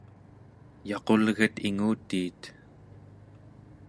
yaqulget ingutiit